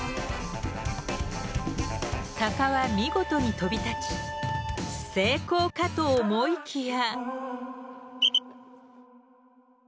鷹は見事に飛び立ち成功かと思いきや。